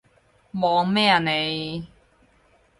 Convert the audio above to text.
望咩啊你？